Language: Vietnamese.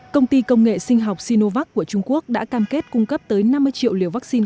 công ty công nghệ sinh học sinovac của trung quốc đã cam kết cung cấp tới năm mươi triệu liều vaccine